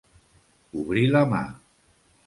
Obrir la mà.